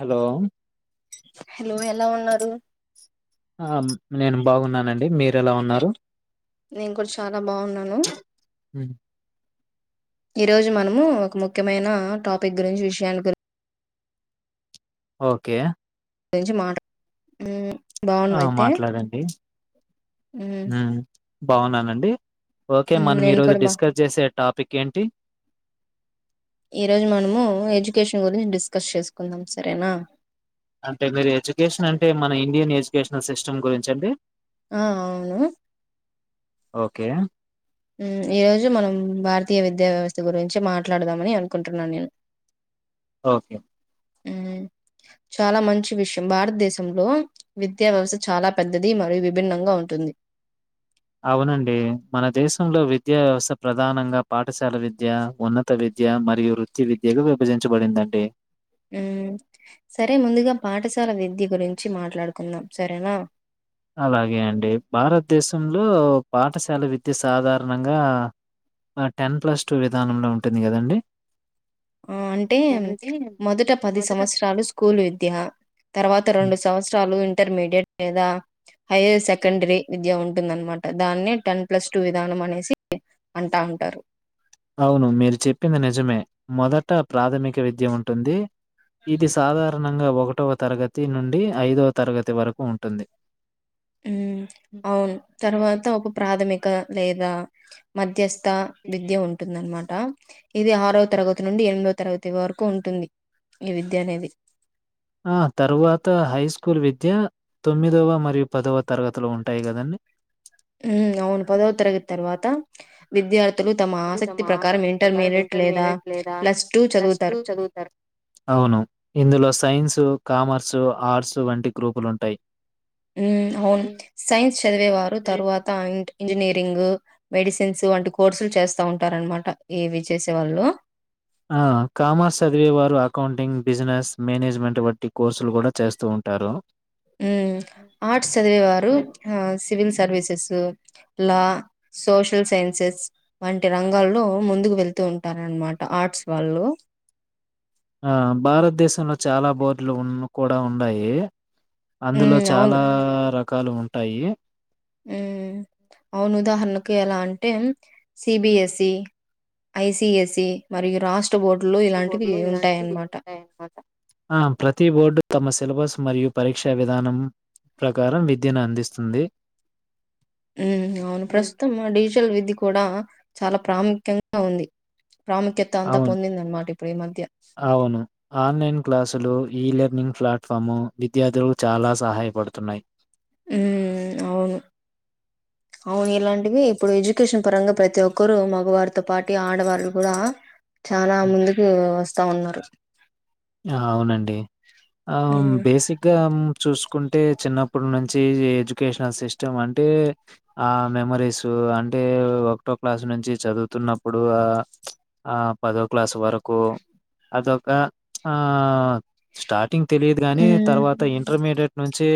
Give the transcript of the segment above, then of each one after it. Hello hello ఎలా ఉన్నారు ఆ నేను బాగున్నానండి మీరు ఎలా ఉన్నారు నేను కూడా చాలా బాగున్నాను హ్మ్ ఈ రోజు మనము ఒక ముఖ్యమైన టాపిక్ గురించి విషయాల గురి ఓకే గురించి మాట ఆ మాట్లాడండి ఉమ్ హు బాగున్నానండి ఓకే ఉమ్ మనం ఈ నేను రోజు కూడా బా డిస్కస్ చేసే టాపిక్ ఏంటి ఈ రోజు మనము ఏజూకేషన్ గురించి డిస్కస్ చేసుకుందాం సరేనా అంటే మీరు ఎడ్యుకేషన్ అంటే మన ఇండియన్ ఎడ్యుకేషనల్ సిస్టమ్ గురించి అండి ఆ అవును ఓకే ఉ ఈరోజు మనం భారతీయ విద్యా వ్యవస్థ గురించి మాట్లాడదామని అనుకుంటున్నాను నేను ఓకే ఉ చాలా మంచి విషయం భారతదేశంలో విద్యా వ్యవస్థ చాలా పెద్దది మరియు విభిన్నంగా ఉంటుంది. అవునండి మన దేశంలో విద్యా వ్యవస్థ ప్రధానంగా పాఠశాల విద్య ఉన్నత విద్య మరియు వృత్తి విద్యకు విభజించబడిందండి. ఉ సరే ముందుగా పాఠశాల విద్య గురించి మాట్లాడుకుందాం సరేనా అలాగే అండి భారతదేశం ప్రంలో పాఠశాల విద్య సాధారణంగా టెన్ ప్లస్ టూ విధానంలో ఉంటుంది కదండి. ఆ అంటే మొదట పది మొదట సంవత్సరాలు స్కూల్ విద్య తర్వాత రెండు సంవత్సరాలు ఇంటర్మీడియట్ మీద హైయర్ సెకండరీ విద్యా ఉంట ఉంటుంద అనమాట దాన్ని టెన్ ప్లస్ టూ విధానం అనేసి అంటా ఉంటారు అవును మీరు చెప్పింది నిజమే మొదట ప్రాథమిక విద్య ఉంటుంది ఇది సాధారణ ప్రాదణంగా ఒకటవ తరగతి నుండి ఐదవ తరగతి వరకు ఉంటుంది. ఉ అవును తర్వాత ఒక ప్రాథమిక లేదా మధ్యస్ త విద్య ఉంటుంద అన్నమాట ట ఇది ఆరోవ తరగతి నుండి ఎనిమిదవ తరగతి వరకు ఉంటుంది ఈ విద్య అనేది ఆ తరువాత హై స్కూల్ విద్య తొమ్మిదవ మరియు పదవ తరగతిలో ఉంటాయి కదండి. ఉ అవును పదవ తరగతి తర్వాత విద్యార్థి అ తమ ఆసక్తి ప్రకారం ఇంటర్మడియట్ లేదా ప్లస్ ప్ల చదువుతారు. చదువుతారు అవును ఇందులో సైన్స్ కామర్స్ సు ఆర్సు వంటి గ్రూపులుంటాయి. ఉ అవును సైన్స్ చదివేవారు తరువాత ఇంజనీర్ గ్ మెడిసిన్స్ వంటి కోర్సులు చేస్తా ఉంటారనమాట ఈవి చేసీ వాళ్ళు ఆ కామర్స్ చదివే వారు అకౌంటింగ్ బిజినెస్ మేనేజ్మెంట్ వట్టి కోర్సులు కూడా చేస్తూ ఉంటారు ఆర్ట్స్ చదివేవారు సివిల్ సర్వీసెస్ లాలా సోషల్ సైన్సెస్ వంటి రంగాల్లో ముందుకు వెళ్తూ అంటారనమాట ఆర్ట్స్ వాళ్ళు ఆ భారతదేశంలో చాలా బోర్డులు ఉ కూడా ఉన్నాయి అందులో హ్మ్. చాలా రక రకాలు ఉంటాయి ఉ అవును ఉదాహరణ ఎలా అంటే సిబిఎస్ఈ ఐసిఎస్ఈ మరియు రాష్ట్ర బోర్డులు ఇలాంటివి ఉంటాయన్నమాట. మా ప్రతి బోర్డు తమ సిలబస్ మరియు పరీక్షా విధానం ప్రకారం విద్యను అందిస్తుంది ఉ అవును ప్రస్తుతం డిజిటల్ విధి కూడా చాలా ప్రాముఖ్యంగా ఉంది ప్రాముఖ్యత అంతా అవును పొందిందనమాట ఇప్పుడు ఈ మధ్య. అవును ఆన్లైన్ క్లాసులు ఈ లెర్నింగ్ ప్లాట్ఫాము విద్యార్థులు చాలా సహాయపడుతున్నాయి ఉ అవును అవును ఇలాంటివి ఇప్పుడు ఎడ్యుకేషన్ పరంగా ప్రతి ఒక్కరుూ మగవారితో పాటి ఆడవాళ్లు కూడా చాలా హ్మ్. ముందుకు వస్త వస్తా ఉన్నారు అవునండి ఆ హ్మ్. బేసిక్గా చూసు చకుంటే చిన్నప్పుటి నుంచి ఎడ్యుకేషనల్ సిస్టమ్ అంటే ఆ మెమరీస్ అంటే ఒకటో క్లాసు నుంచి చదువుతున్నప్పుడు ఆ ఆ పదో క్లాసు వరకు అదొక ఆ స్టార్టింగ్ తెలియదు కాగాని హ్మ్. తర్వాత ఇంటర్మీడియట్ అ నుంచి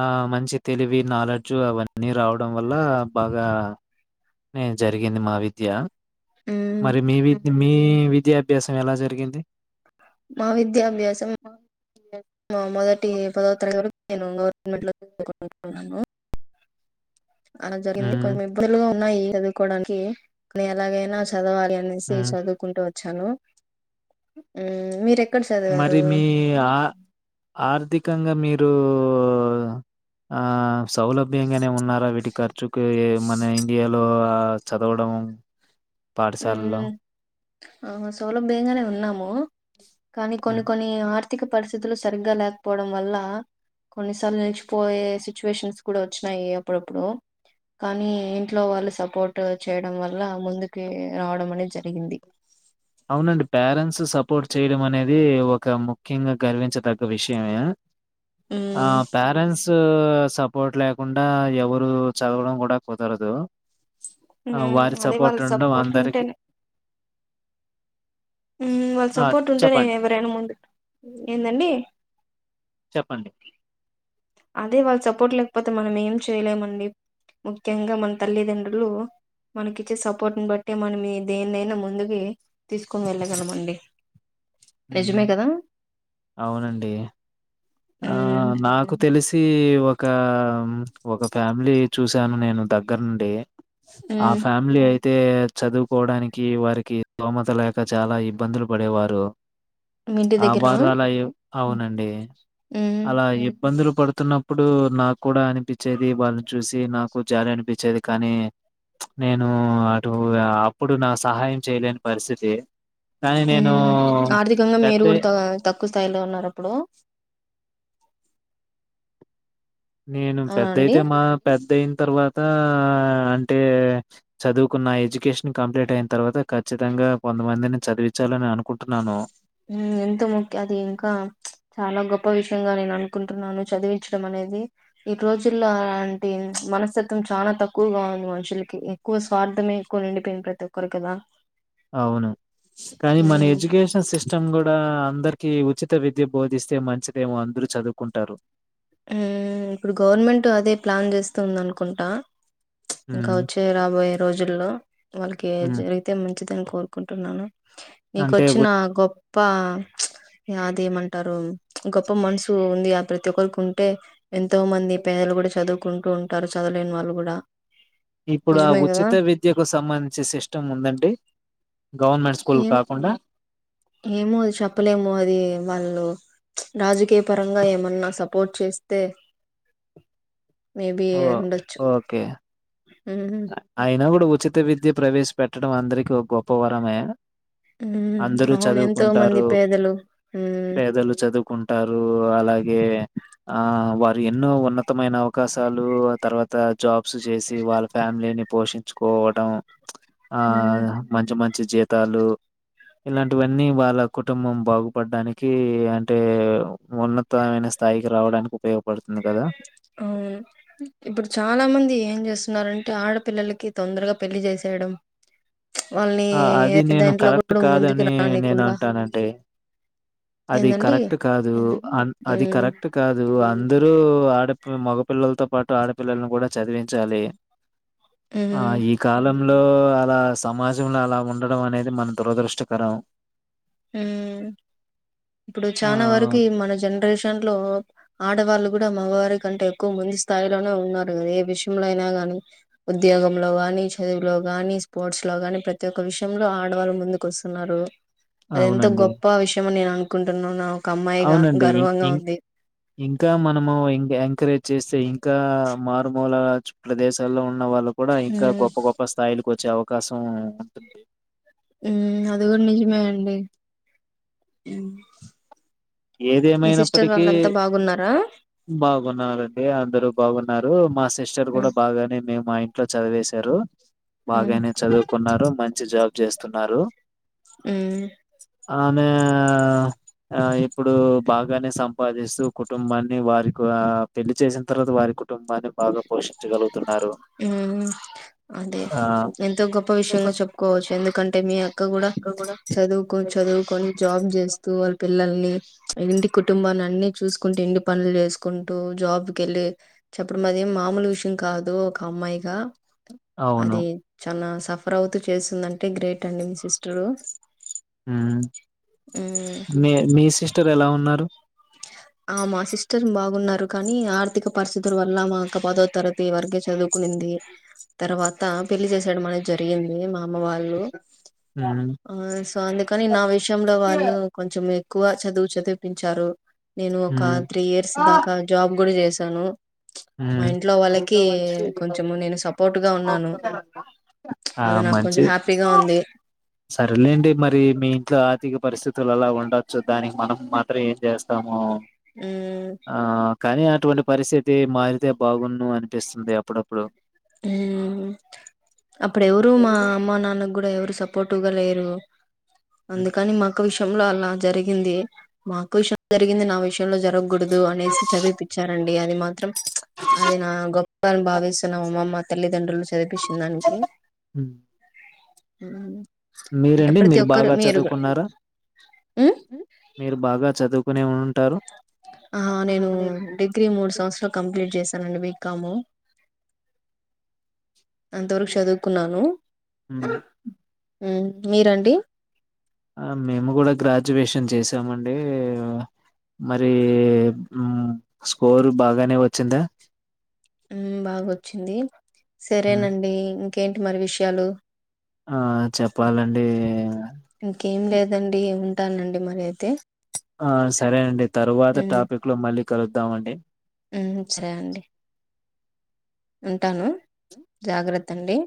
ఆ మంచి తెలివి నాలెడ్జు అవన్నీ రావడం వల్ల బాగా నేను జరిగింది మా విద్య హ్మ్. మరి మీవి మీ విద్యాభ్యాసం ఎలా జరిగింది మా విద్యాభ్యాసం మొదటి పదో తరగ ఏను న్నాను అలా జరిగింది హ్మ్. కొంచెం ఇ న్నాయి చదువుకోవడానికి న ఎలాగైనా చదవాల అనేే హ్మ్. చదువుకుంట వచ్ చను మీర్ ఎ మరి మీ ఆ ఆర్థి కంగా మీరు ఆ సౌలభ్యంగానే ఉన్నారా వీటి ఖర్చు కె మన ఇండియాలో ఆ అ చదవడం పాఠశాలలో హ్మ్. ఆ సౌలభ్యంగానే ఉన్నాము కానీ కొన్ని హ్మ్. కొన్ని ఆర్ ఆర్థిక పరిస్థితులు సరిగ్గా లేకపోవడం వల్ల కొన్నిసార్లు నిలిచిపోయే సిచ్యువేషన్స్ కూడా వచ్చినాయి అప్పుడప్పుడు కానీ ఇంట్లో వాళ్ళు సపోర్ట్ చేయడం వల్ల ముందు కే రావడం అనేది జరిగింది అవునండి పేరెంట్స్ సపోర్ట్ చేయడం అనేది ఒక ముఖ్యంగా గర్వించ తగ్గ విషయమే ఆ హ్మ్. పేరెంట్స్ ఊ సపోర్ట్ లేకుండా ఎవరు చదవడం కూడా కుదరదు ఆ హ్మ్. వారి అదే సపోర్ట్ వాళ్ళ ఉండం సపోర్ట్ అందరికి ఊ వాళ్ళ ఆ! సపోర్ట్ ఉంటే నేను చెప్పండి. ఎవరైనా ముందు ఏందండి చెప్పండి అదే వాళ్ళ సపోర్ట్ లేకపోతే మనం ఏం చేయలేమండి ముఖ్యంగా మన తల్లిదండ్రులు మనకి ఇచ్చే సపోర్ట్ని బట్టి మనం దేన్నైనా ముందుకు తీసుకని వెళ్ళగల మండి ఉ అవునండి ఆ ఉమ్ నాకు తెలిసి ఒక ఆ ఒక ఫ్యామిలీ చూసాను నేను దగ్గర నుండి ఆ ఉమ్ ఫ్యామిలీ అయి యితే చదువుకోవడానికి వారికి స్తోమత లేక చాలా ఇబ్బందులు పడేవారు మీ ఇంటి దగ్గరా ఆబారు ఎలా ఉమ్ అవునండి అలా ఎప్ ఇబ్బందులు పడుతున్నప్పుడు నా కూడా అనిపించేది వాల్ చూసి నాకు జాలి అనిపించేది కానీ ప్చ్ నేను అటు అప్పుడు నా సహాయం చేయలేని పరిస్థితి కానీ నేను హ్మ్. ఊఆర్థికంగా మీరు పెద్దే కూడా త తక్కువ స్థాయిలో ఉన్నారు అప్పుడు నేను అవునా అండి పెద్దయితే మా పెద్ దేన్ తర్వాత అంటే చదువుకున్న ఎడ్యుకేషన్ కంప్లీట్ అయిన తర్వాత ఖచ్చితంగా కొంతమందిని చదివించాలని అనుకుంటున్నాను ఎంతో ముఖ్య అది ఇంకా ప్చ్ చాలా గొప్ప విషయంగా నేను అనుకుంటున్నాను చదివించడం అనేది ఈ రోజుల్లో అలాంటి మనస్తత్వం చాలా తక్కువగా ఉంది మనుషులకి ఎక్కువ స్వార్థమే ఎక్కువ నిండిపోయింది ప్రతి ఒక్కరికి కదా అవును కానీ మన ఉమ్ ఎడ్యుకేషన్ సి సిస్టమ్ కూడా అందరికి ఉచిత విద్య బోధిస్తే మంచిదేమో అందరూ చదువుకుంటారు. హ్మ్ ఇప్పుడు గవర్నమెంట్ అదే ప్లాన్ చేస్తుందానుకుంటా చ్ ఇంకా హ్మ్. వచ్చే రాబోయే రోజుల్లో వాళ్ళకి హ్మ్. జరిగితే మంచిదని కోరుకు కుంటున్నాను అంటే నీకొచ్చిన ఉ గొప్ప చ్ అది ఏమన్ ఉంటారు గొప్ప మనసు ఉందిగా ఆ ప్రతి ఒక్కలకు టే ఎంతో మంది పేదలు కూడా చదువు కుంటూ ఉంటారు చదవలేని వాళ్ళు కూడా ఇప్పుడు ఆ నిజమే కదా ఉచిత విద్యకు సంబంధించి సిస్టమ్ ఉందండి. గవర్నమెంట్ స్కూల్ ఏం కాకుండా ఏమో అది చెప్పలేము అది వాళ్ళు రాజకీయ పరంగా ఏమన్నా సపోర్ట్ చేస్తే మేబి ఓ ఉండొచ్చు. ఓకే హ్మ్ అయినా కూడా ఉచిత విద్య ప్రవేశపెట్టడం అందరికీ ఒక గొప్పవరమే. హ్మ్ అందరూ అవును ఎంతో మంది చదువుకుంటారు పేదలు హ్మ్ పేదలు చదువుకుంటారు అలా ఏ ఆ వారు ఎన్నో ఉన్నతమైన అవకాశాలు ఆ తర్వాత జాబ్ [unintelligible] చేసి వాళ్ దిన్ని పోషించుకోవటం ఆ హ్మ్ మంచి మ మంచి జీతాలు ఇలాంటివన్నీ వాళ్ళ కుటుంబం బాగుపడ్డానికి అంటే ఉన్నతమైన స్థాయికి రావడానికి ఉపయోగప అవును ఇప్పుడు చాలా మంది ఏం చేస్ ఉన్నారంటే ఆడపిల్లలకి తొందరగా పెళ్లి చేసేయడం వాళ్ళని ఆ అది ఏ నేను దాంట్లో కరెక్ట్ కూడా ముందుకు కాదని నేను రానికుండా అంటానండి. అది ఏందండి కరెక్ట్ కాదు అ అది హ్మ్ కరెక్ట్ కాదు అందరూ ఆడ మగపిల్లలతో పాటు ఆడపిల్లలను కూడా చదివించాలి. ఆ హ్మ్ ఈ కాలం లో అలా సమాజ్ నువు నాలా ఉండడం అనేది మన దురదృష్టకరం. హ్మ్ ఇప్పుడు ఆ చానా వరకు మన జనరేషన్ లో ఆడవాళ్ళు కూడా మగవారి కంటే ఎక్కువ ముందు స్థాయిలోనే ఉన్నారు కదా ఏ విషయంలో అయినా గాని ఉద్యోగంలో గాని చదువులో గాని స్పోర్ట్స్ లో గాని ప్రతి ఒక్క విషయంలో ఆడవాళ్ళు ముందుకు వస్తున్నరు. అది ఎంత అవునండి. గొప్ప విషమె నేను కుంటున్నావ్ అవునండి ఇన్ ఇన్ ఇంకా మనము ఎంకరేజ్ చేస్ ఇంకా మారుమూల ప్రదేశాల్లో ఉన్న వాళ్ళు కూడా ఇంకా మ్మ్ గొప్ప గొప్ప స్థాయిలు కు వచ్చే అవకాశం హ్మ్ అది కూడా నిజమే అండి మీ సిస్టర్ ఏదేమమైనప్పటికీ వాళ్ళంతా బాగున్నారా బాగున్నారండి అందరూ బాగున్నారు మా సిస్టర్ కూడా మ్మ్ బాగానే మేము మా ఇ అట్లో చదివేశారు మ్మ్ బాగానే చదువుకున్నారు మంచి జాబ్ చేస్తున్నారు హ్మ్ మ ఆ ఎ ఓ బాగానే సంపాదిస్తూ కుటుంబాన్ని వారికి పెళ్లి చేసిన తర్వాత వారి కుటుంబాన్ని బాగా పోషి హ్మ్ అదే ఆ ఎంతో గొప్ప విషయంగా చెప్పుకోవచ్చు ఎందుకంటే మీ అక్క కూడా చదువుకో చదువుకొని జాబ్ చేస్తూ వాళ్ళ పిల్లల్ని ఇంటి కుటుంబాన్ని అన్ని చూకుంటూ ఇంటి పనులు చేసుకుంటూ జాబ్ కి వెళ్ళి చెప్పడం అ ఏ మామూలు విషయం కాదు ఒక అమ్మాయిగా అవును తన సఫర్ అవుతూ చేస్తుందంటే గ్రేట్ అండి మీ సిస్టరు హ్మ్ మ్మ్ మీ మీ సిస్టర్ ఎలా ఉన్నారు ఆ మా సిస్టర్ బాగున్నారు కానీ ఆర్థిక పరిస్థితుల వల్ల మా అక్క పదో తరతి వరకే చదువుకునింది తర్వాత పెళ్లిి చేసేయడం అనేది జరిగింది మా అమ్మ వాళ్ళు హ్మ్ ఆ సో అందుకని నా విషయంలో వాళ్ళు కొంచెం ఎక్కువ చదువు చదివిపించారు నేను ఒక హ్మ్ త్రీ ఇయర్స్ దాకా జాబ్ కూడా చేస్ తను మా హ్మ్ ఇంట్లో వాళ్ళకి కొంచెము నేను సపోర్ట్గా ఉన్నాను ఆ అది నాకు మంచి కొంచెం హ్యాపీగా ఉంది సరేలేండి మరి మీ ఇంట్లో ఆర్థిక పరిస్థితులు అలా ఉండచ్చు దానికి మనం మాత్రం ఏం చేస్తాము హ్మ్ ఆ కానీ అటువంటి పరిస్థితి మారితే బాగుంను అనిపిస్తుంది అప్పుడప్పుడు హ్మ్ అప్పుడు ఎవరు మా అమ్మా నాన్న కూడా ఎవరు స పోటుగాలేరు హ్మ్. అందుకని మా అక్క విష విషంలో అలా జరిగింది మా అక్క విషయం జరిగింది నా విషయం విషయంలో జరగకూడదు అనేసి చదివిపిచ్చారండి ది మ [unintelligible] అది నా గొప్ప అని భావిస్తున్న అమ్మమ మా తల్లిదండ్రులు చదివిపించిన దానికి హ్మ్. హ మీరండి మీరు బాగా చదువుకున్నారా ఉమ్ మీరు బాగా చదువు కొనే ఉంటారు ఆ నేను డిగ్రీ మూడు సంవత్సరాలు కంప్లీట్ చేశానండి బీ. కామ్ కామ్ అంతవరకు చదువుకున్నాను హ్మ్. అ మీరండి మేము కూడా గ్రాడ్యుయేషన్ చేసామండి మరి స్కోరు బాగానే వచ్చిందా ఆ బాగొచ్చింది హ్మ్. సరేనండి ఇంకేంటి మరి విషయాలు ఆ చెప్పాలండి ఇంకేం లేదండి ఉంటానండి మరి అయితే ఆ సరేనండి తరువాత హ్మ్. టాపిక్లో మళ్ళీ కలుద్దామండి హ్మ్. అ ఉంటాను జాగ్రత్త తండి